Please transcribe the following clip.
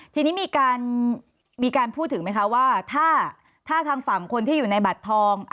ทีนี้มีการพูดถึงไหมคะว่าถ้าทางฝั่งคนที่อยู่ในบัตรทอง